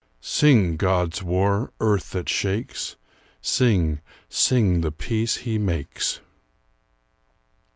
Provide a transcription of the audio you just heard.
Sing, God's war, earth that shakes! Sing, sing the peace he makes!